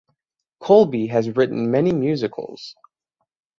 Colby has written many musicals.